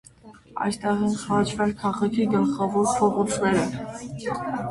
Այստեղ են խաչվել քաղաքի գլխավոր փողոցները։